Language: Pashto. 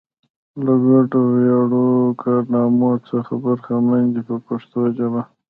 له ګډو ویاړلو کارنامو څخه برخمن دي په پښتو ژبه.